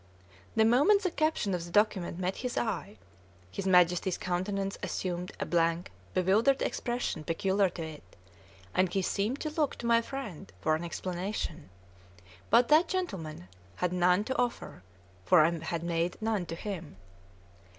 The moment the caption of the document met his eye, his Majesty's countenance assumed a blank, bewildered expression peculiar to it, and he seemed to look to my friend for an explanation; but that gentleman had none to offer, for I had made none to him.